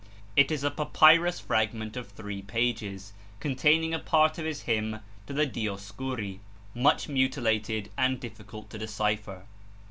It is a papyrus fragment of three pages, containing a part of his hymn to the Dioscuri, much mutilated and difficult to decipher.